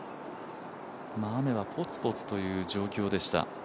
雨はポツポツという状況でした。